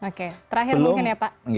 oke terakhir mungkin ya pak